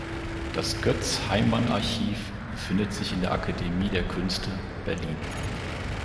Das Götz-Heymann-Archiv befindet sich in der Akademie der Künste, Berlin.